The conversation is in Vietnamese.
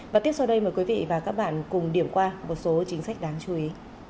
và tiếp sau đây mời quý vị và các bạn cùng điểm qua một số chính sách đáng chú ý